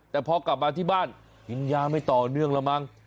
แต่พอกลับมาที่บ้านกินยาไม่ต่อเนื่องแล้วมั้ง